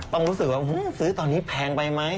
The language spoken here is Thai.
รู้สึกว่าซื้อตอนนี้แพงไปไหม